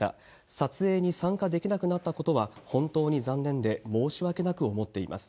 撮影に参加できなくなったことは本当に残念で申し訳なく思っています。